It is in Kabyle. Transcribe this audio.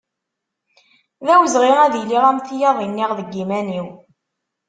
D awezɣi ad iliɣ am tiyaḍ i nniɣ deg yiman-iw.